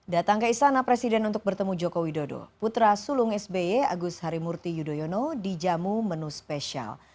datang ke istana presiden untuk bertemu jokowi dodo putra sulung sby agus harimurti yudhoyono di jamu menu spesial